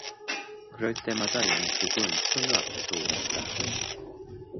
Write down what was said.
그럴 때마다 영숙은 춘우 앞에서 울었다.